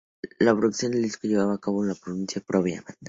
La producción del disco fue llevada a cabo por la propia banda.